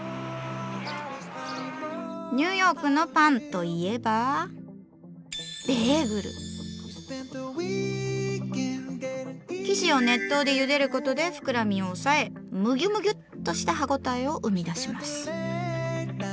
ニューヨークのパンといえば生地を熱湯でゆでることで膨らみを抑えムギュムギュッとした歯応えを生み出します。